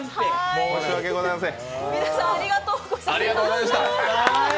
申し訳ございません。